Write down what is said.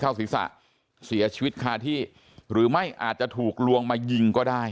ศีรษะเสียชีวิตคาที่หรือไม่อาจจะถูกลวงมายิงก็ได้